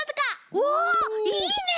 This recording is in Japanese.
おおいいね！